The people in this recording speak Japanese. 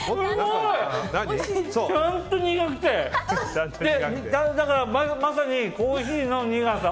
ちゃんと苦くてまさにコーヒーの苦さ。